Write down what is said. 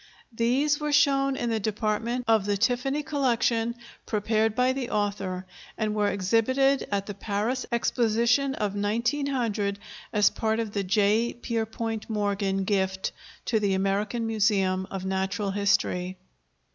These were shown in the department of the Tiffany Collection prepared by the author, and were exhibited at the Paris Exposition of 1900 as part of the J. Pierpont Morgan gift to the American Museum of Natural History.